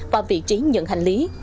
và vị trí nhận hành lý